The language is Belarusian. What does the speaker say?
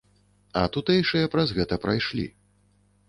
А тутэйшыя праз гэта прайшлі.